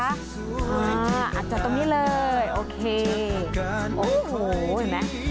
อาจจะตรงนี้เลยโอเคโอ้โหเห็นไหม